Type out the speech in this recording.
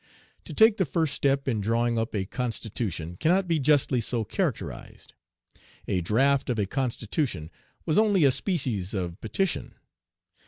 To take the first step in drawing up a constitution cannot be justly so characterized. A draft of a constitution was only a species of petition.